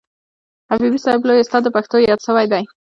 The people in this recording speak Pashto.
حبیبي صاحب لوی استاد د پښتو یاد سوی دئ.